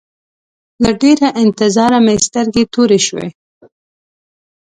له ډېره انتظاره مې سترګې تورې شوې.